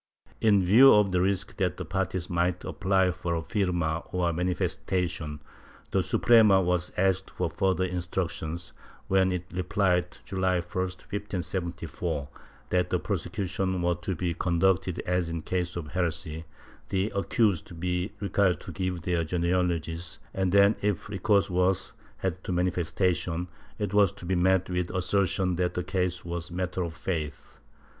In view of the risk that the parties might apply for a firma or manifestacion, the Suprema Chap. X] EXPORTATION OF HORSES 281 was asked for further instructions, when it replied, July 1, 1574, that the prosecutions were to be conducted as in cases of heresy, the accused be required to give their genealogies and then, if recourse was had to manifestacion, it was to be met with an asser tion that the case was a matter of faith.